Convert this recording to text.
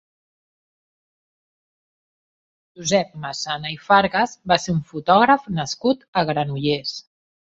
Josep Masana i Fargas va ser un fotògraf nascut a Granollers.